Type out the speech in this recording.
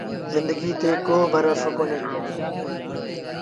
زندڪيٚ تي ڪو ڀروسو ڪونهي۔